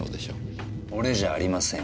俺じゃありません。